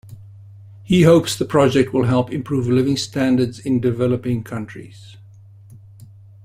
He hopes the project will help improve living standards in developing countries.